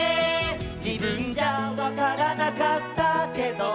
「じぶんじゃわからなかったけど」